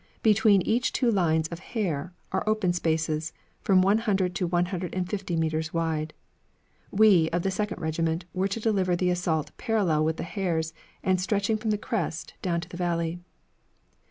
Between each two lines of hair are open spaces, from one hundred to one hundred and fifty metres wide. We, of the second regiment, were to deliver the assault parallel with the hairs and stretching from the crest down to the valley.